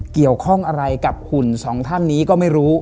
เกี่ยวข้องอะไรกับหุ่นสองท่านนี้ก็ไม่รู้